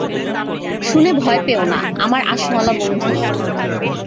শুনে ভয় পেও না, আমার আঁশওয়ালা বন্ধু।